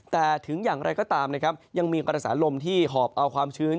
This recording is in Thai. แต่ถึงอย่างไรก็ตามนะครับยังมีกระแสลมที่หอบเอาความชื้น